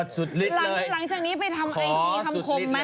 เห็นมั้ย